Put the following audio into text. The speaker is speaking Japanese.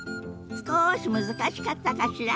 すこし難しかったかしら。